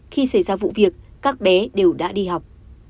khi xảy ra vụ việc các bé đều đã đi học